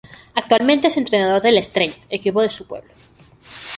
Actualmente es entrenador de la Estrella, equipo de su pueblo.